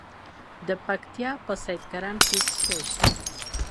د پکتیا په سید کرم کې څه شی شته؟